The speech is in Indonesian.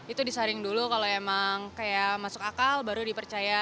itu disaring dulu kalau emang kayak masuk akal baru dipercaya